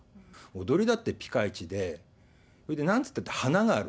踊りだってぴか一で、それでなんつったって華がある。